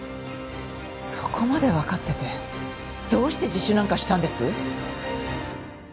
そこまでわかっててどうして自首なんかしたんです！？